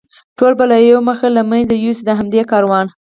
ټول به له یوې مخې له منځه یوسي، د همدې کاروان.